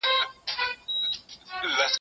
که ما کوې، که لالا کوې، که ما کوې.